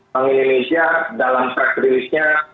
bank indonesia dalam practice nya